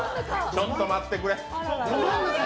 ちょっと待ってくれ。